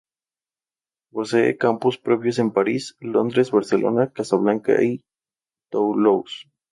Posee campus propios en París, Londres, Barcelona, Casablanca y Toulouse.